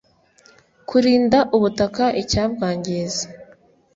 Kurinda ubutaka icyabwangiza